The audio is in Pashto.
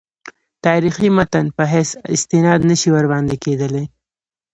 تاریخي متن په حیث استناد نه شي ورباندې کېدلای.